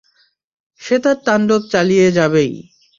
সে তার তান্ডব চালিয়ে যাবেই।